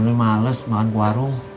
sebenernya males makan di warung